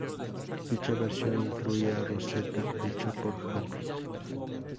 Dicha versión incluía Rosetta hecho por Apple.